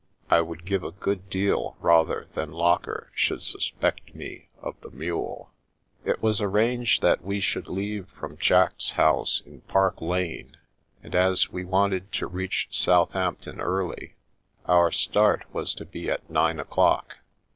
I would give a good deal rather than Locker should suspect me of the mule. It was arranged that we should leave from Jack's house in Park Lane, and as we* wanted to reach Southampton early, our start was to be at nine o'clock.